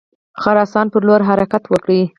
د خراسان پر لور حرکت وکړي.